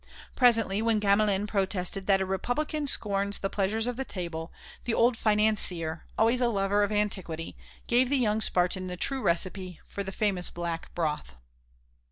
Presently, when Gamelin protested that a Republican scorns the pleasures of the table, the old financier, always a lover of antiquity, gave the young Spartan the true recipe for the famous black broth.